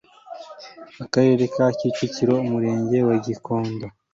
akarere ka kicukiro umurenge wa gikondo